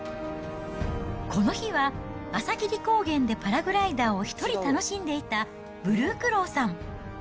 この日は、朝霧高原でパラグライダーを１人楽しんでいた、ブルークローさん。